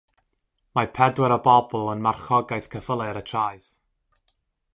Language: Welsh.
Mae pedwar o bobl yn marchogaeth ceffylau ar y traeth.